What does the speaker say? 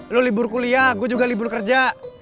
lo libur kuliah gue juga libur kerja